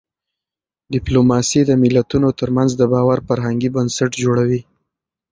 ډيپلوماسي د ملتونو ترمنځ د باور فرهنګي بنسټ جوړوي.